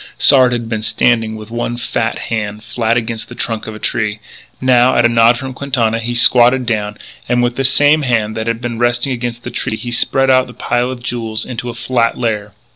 Sard had been standing with one fat hand flat against the trunk of a tree. Now, at a nod from Quintana, he squatted down, and, with the same hand that had been resting against the tree, he spread out the pile of jewels into a flat layer.